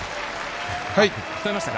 聞こえましたか？